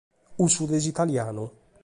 Cussu de s’italianu?